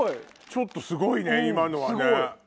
ちょっとすごいね今のはね。